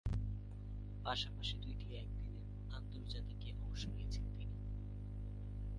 পাশাপাশি দুইটি একদিনের আন্তর্জাতিকে অংশ নিয়েছেন তিনি।